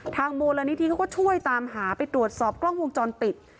มูลนิธิเขาก็ช่วยตามหาไปตรวจสอบกล้องวงจรปิด